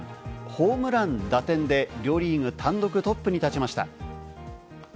ホームラン・打点で両リーグ単独トップに立ちました。